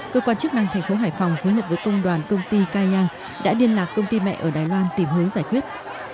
cơ quan chức năng thành phố hải phòng phối hợp với công đoàn công ty cai giang đã liên lạc công ty mẹ ở đài loan tìm hướng giải quyết